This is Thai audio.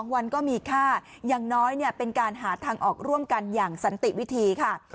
วันก็มีค่าอย่างน้อยเป็นการหาทางออกร่วมกันอย่างสันติวิธีค่ะ